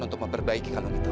untuk memperbaiki kamar itu